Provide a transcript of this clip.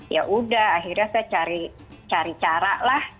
ya udah akhirnya saya cari cara lah